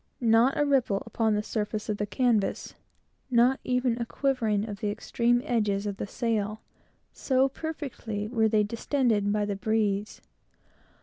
Not a ripple upon the surface of the canvas; not even a quivering of the extreme edges of the sail so perfectly were they distended by the breeze.